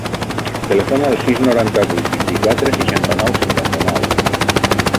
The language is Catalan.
Telefona al sis, noranta-vuit, vint-i-quatre, seixanta-nou, cinquanta-nou.